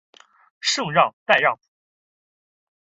圣让代尚普。